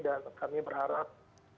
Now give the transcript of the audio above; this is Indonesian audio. dan kami berharap